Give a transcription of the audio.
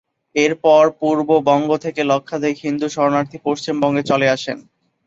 এর পর পূর্ববঙ্গ থেকে লক্ষাধিক হিন্দু শরণার্থী পশ্চিমবঙ্গে চলে আসেন।